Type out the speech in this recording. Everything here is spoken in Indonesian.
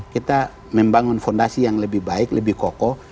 kita membangun fondasi yang lebih baik lebih kokoh